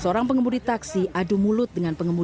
seorang pengemudi taksi adu mulut dengan pengemudi